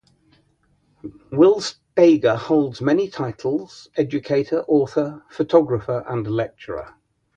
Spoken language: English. Will Steger holds many titles-educator, author, photographer, and lecturer.